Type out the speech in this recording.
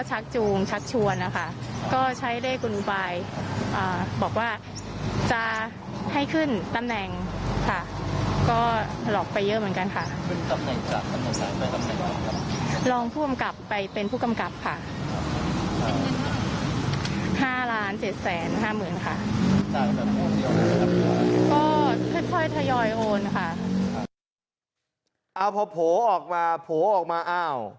แสนห้าหมื่นค่ะค่อยทยอยโอนค่ะอ่าพอโผออกมาโผออกมาอ้าว